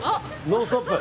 「ノンストップ！」。